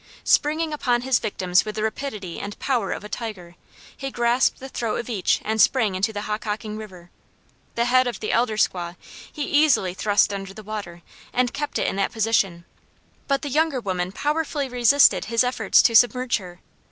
Springing upon his victims with the rapidity and power of a tiger, he grasped the throat of each and sprang into the Hockhocking river. The head of the elder squaw he easily thrust under the water, and kept it in that position; but the younger woman powerfully resisted his efforts to submerge her.